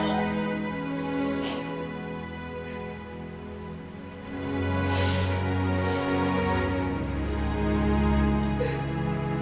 menderita kelainan jantung